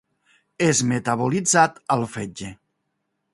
És metabolitzat al fetge.